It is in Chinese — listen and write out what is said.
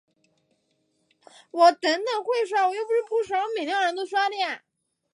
部长是总统内阁的成员之一。